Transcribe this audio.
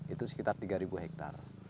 itu sekitar tiga hektar